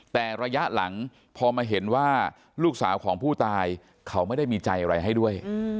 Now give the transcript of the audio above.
แต่ระยะหลังพอมาเห็นว่าลูกสาวของผู้ตายเขาไม่ได้มีใจอะไรให้ด้วย